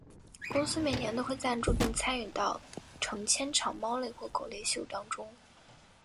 公司每年都会赞助并参与到成千场猫类或狗类秀当中。